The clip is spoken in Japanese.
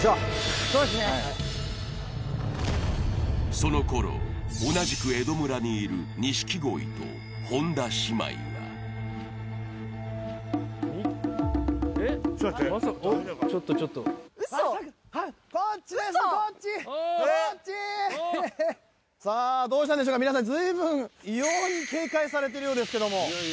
そのころ、同じく江戸村にいる錦鯉と本田姉妹はさあどうしたんでしょうか、皆さん、異様に警戒されているようですけれども。